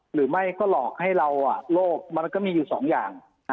หรือไม่ก็หลอกให้เราโลกมันก็มีอยู่สองอย่าง